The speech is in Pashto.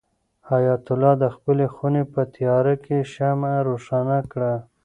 حیات الله د خپلې خونې په تیاره کې شمع روښانه کړه.